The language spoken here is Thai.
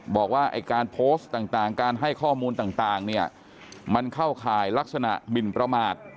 บอกว่าไอ้การโพสต์ต่างการให้ข้อมูลต่างเนี่ยมันเข้าข่ายลักษณะหมินประมาท